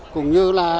cũng như là